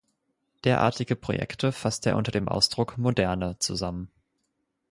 Derartige Projekte fasste er unter dem Ausdruck „Moderne“ zusammen.